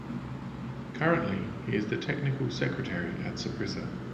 Currently, he is the technical secretary at Saprissa.